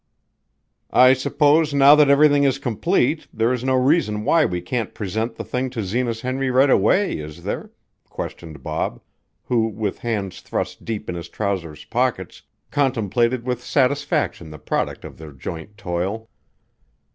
"I suppose now that everything is complete, there is no reason why we can't present the thing to Zenas Henry right away, is there?" questioned Bob, who with hands thrust deep in his trousers' pockets contemplated with satisfaction the product of their joint toil.